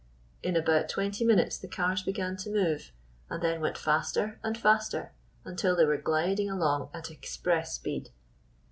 In about twenty minutes the cars began to move, and then went faster and faster until they were gliding along at express speed.